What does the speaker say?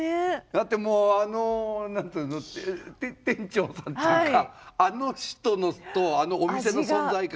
だってもうあの何て言うの店長さんっていうかあの人とあのお店の存在感。